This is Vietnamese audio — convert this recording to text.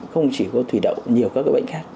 không chỉ có thủy đậu nhiều các bệnh khác